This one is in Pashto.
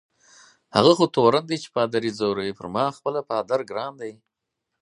هغه خو تورن دی چي پادري ځوروي، پر ما خپله پادر ګران دی.